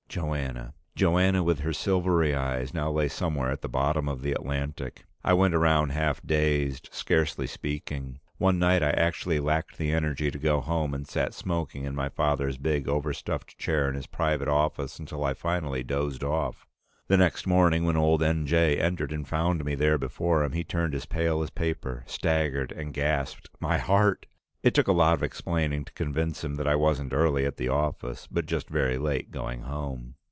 Joanna! Joanna with her silvery eyes now lay somewhere at the bottom of the Atlantic. I went around half dazed, scarcely speaking. One night I actually lacked the energy to go home and sat smoking in my father's big overstuffed chair in his private office until I finally dozed off. The next morning, when old N. J. entered and found me there before him, he turned pale as paper, staggered, and gasped, "My heart!" It took a lot of explaining to convince him that I wasn't early at the office but just very late going home.